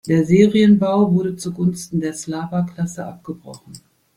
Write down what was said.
Der Serienbau wurde zu Gunsten der Slawa-Klasse abgebrochen.